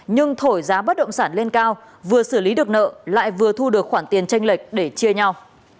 nhưng thổi giá bất động sản lên cao vừa xử lý được nợ lại vừa thu được khoản tiền tranh lệch để chia nhau